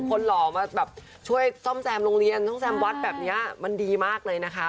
หล่อมาแบบช่วยซ่อมแซมโรงเรียนซ่อมแซมวัดแบบนี้มันดีมากเลยนะคะ